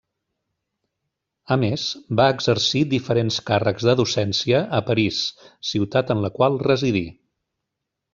A més, va exercir diferents càrrecs de docència a París, ciutat en la qual residí.